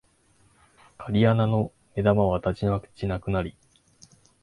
鍵穴の眼玉はたちまちなくなり、